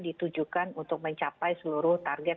ditujukan untuk mencapai seluruh target